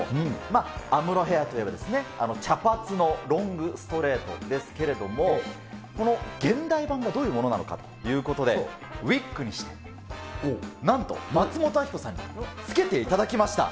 アムロヘアーといえば、あの茶髪のロングストレートですけれども、この現代版がどういうものかということで、ウィッグにして、なんと松本明子さんにつけていただきました。